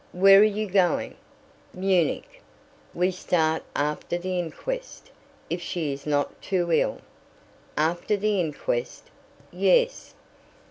"Where are you going?" "Munich. We start after the inquest, if she is not too ill." "After the inquest?" "Yes."